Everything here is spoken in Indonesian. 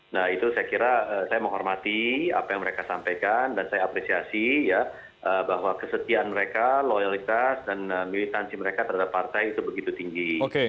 nah itu saya kira saya menghormati apa yang mereka sampaikan dan saya apresiasi ya bahwa kesetiaan mereka loyalitas dan militansi mereka terhadap partai itu begitu tinggi